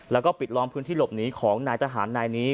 แล้วก็ปิดล้อมพื้นที่หลบหนีของนายทหารนายนี้